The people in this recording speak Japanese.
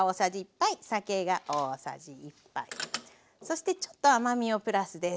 そしてちょっと甘みをプラスです。